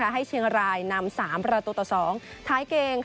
ให้เชียงรายนำ๓ประตูต่อ๒ท้ายเกม